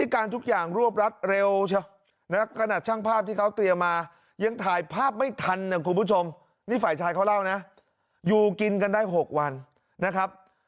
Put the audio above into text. นี่ฝ่ายชายเขาเล่านะอยู่กินกันได้๖วันนะครับ